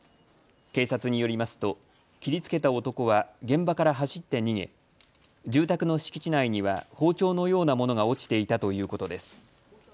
警察によりますと切りつけた男は現場から走って逃げ住宅の敷地内には包丁のようなものが落ちていたということです。